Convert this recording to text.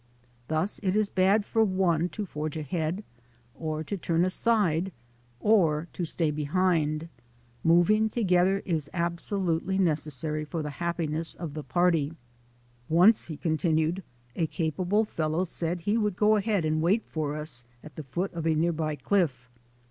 Thus it is bad for one to forge ahead, or to turn aside, or to stay behind. Moving together is absolutely necessary for the happiness of the party. "Once," he continued, "a capable fellow said he would go ahead and wait for us at the foot of a near by cliff.